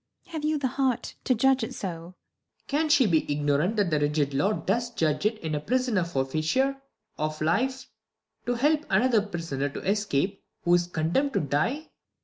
Maid. Have you the heart to judge it so 1 Claud. Can she be ign'rant that the rigid law Does judge it in a prisoner forfeiture Of life, to help another prisoner to Escape, who is condemn'd to die 1 Maid.